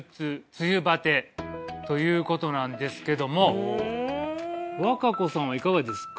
梅雨バテということなんですけども和歌子さんはいかがですか？